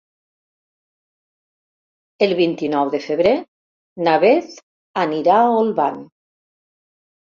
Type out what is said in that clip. El vint-i-nou de febrer na Beth anirà a Olvan.